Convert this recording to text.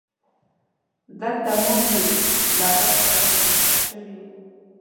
دلته مونږ یو له بله سره اشنا شوي یو.